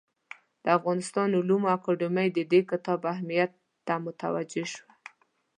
د افغانستان علومو اکاډمي د دې کتاب اهمیت ته متوجه شوه.